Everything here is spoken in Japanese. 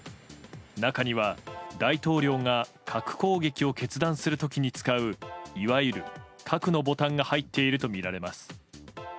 中には、大統領が核攻撃を決断する時に使ういわゆる核のボタンが入っているとみられます。